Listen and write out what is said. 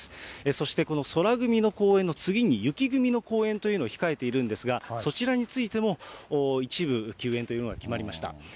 そしてこの宙組の公演の次に、雪組の公演というのを控えているんですが、そちらについても一部休演というのが決まりました。